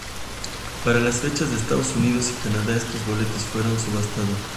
Para las fechas de Estados Unidos y Canadá, estos boletos fueron subastados.